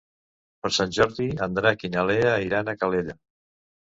Per Sant Jordi en Drac i na Lea iran a Calella.